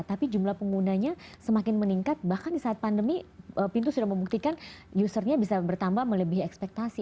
tapi jumlah penggunanya semakin meningkat bahkan di saat pandemi pintu sudah membuktikan usernya bisa bertambah melebihi ekspektasi